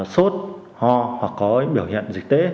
sốt ho hoặc có biểu hiện dịch tế